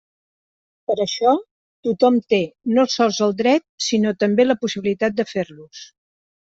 Per això tothom té no sols el dret sinó també la possibilitat de fer-los.